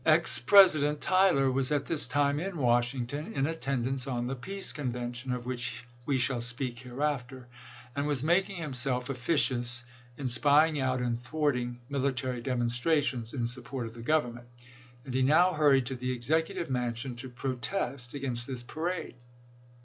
Ex President Tyler was at this time in Washing ton in attendance on the Peace Convention, of which we shall speak hereafter, and was making himself officious in spying out and thwarting mili tary demonstrations in support of the Government ; and he now hurried to the Executive Mansion to protest against this parade.